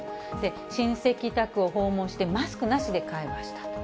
親戚宅を訪問して、マスクなしで会話したと。